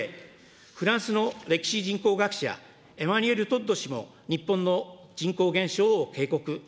フランスの歴史人口学者、エマニエル・トッド氏も、日本の人口減少を警告。